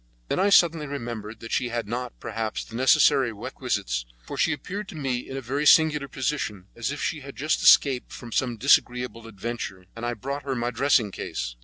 Then I suddenly remembered that she had not, perhaps, the necessary requisites, for she appeared to me in a very singular position, as if she had just escaped from some disagreeable adventure, and I brought her my dressing case.